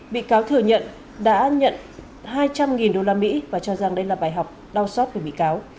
bị cáo thừa nhận đã nhận hai trăm linh usd và cho rằng đây là bài học đau xót về bị cáo